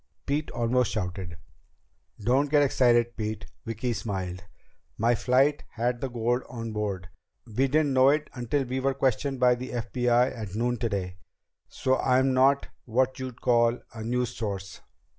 Pete almost shouted. "Don't get excited, Pete." Vicki smiled. "My flight had the gold on board. We didn't know it until we were questioned by the FBI at noon today. So I'm not what you'd call a news source."